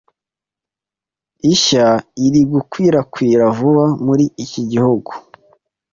inshya iri gukwirakwira vuba muri iki guhugu,